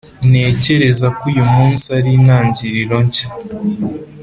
ntekereza ko uyu munsi ari intangiriro nshya,